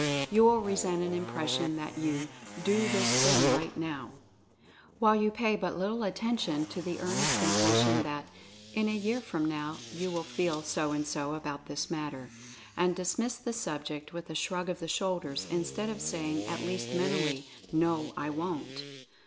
You will resent an impression that you "Do this thing right Now," while you pay but little attention to the earnest impression that "in a year from now you will feel so and so about this matter," and dismiss the sub ject with a shrug of the shoulders, instead of saying, at least mentally, "No, I Wont!"